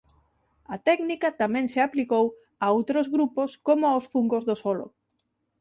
A técnica tamén se aplicou a outros grupos como aos fungos do solo.